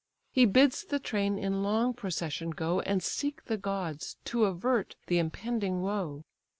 He bids the train in long procession go, And seek the gods, to avert the impending woe.